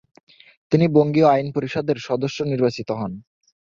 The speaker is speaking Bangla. তিনি বঙ্গীয় আইন পরিষদের সদস্য নির্বাচিত হন।